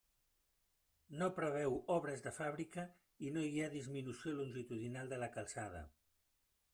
No preveu obres de fàbrica i no hi ha disminució longitudinal de la calçada.